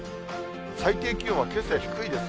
最低気温はけさより低いです。